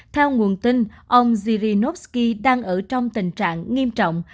theo nguồn tin ông zyrinovsky đang ở trong tình trạng nghiêm trọng